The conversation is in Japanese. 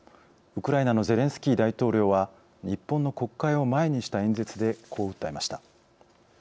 ウクライナのゼレンスキー大統領は日本の国会を前にした演説でこう訴えました。